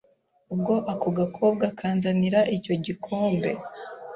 Ubwo ako gakobwa kanzanira icyo gikombe